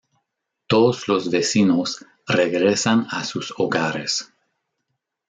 Todos los vecinos regresan a sus hogares.